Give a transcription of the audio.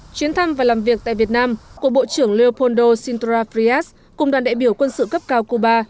chuyến thăm và làm việc tại việt nam của bộ trưởng leepoldo sintra friat cùng đoàn đại biểu quân sự cấp cao cuba